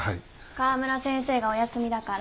川村先生がお休みだから。